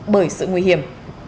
bởi sự nguy hiểm